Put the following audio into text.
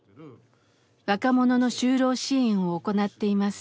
若者の就労支援を行っています。